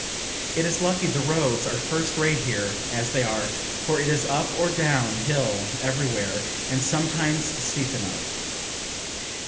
It is lucky the roads are first rate here, (as they are,) for it is up or down hill everywhere, and sometimes steep enough.